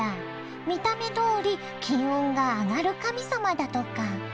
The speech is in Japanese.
見た目どおり金運が上がる神様だとか。